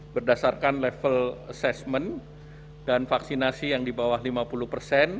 berdasarkan level assessment dan vaksinasi yang di bawah lima puluh persen